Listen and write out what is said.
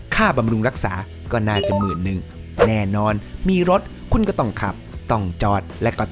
ค่าบำรุงรักษาก็น่าจะ๑๑๐๐๐